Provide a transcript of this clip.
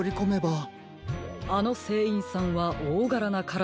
あのせんいんさんはおおがらなからだつきですね。